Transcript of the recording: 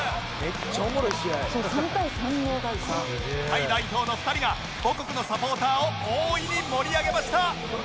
タイ代表の２人が母国のサポーターを大いに盛り上げました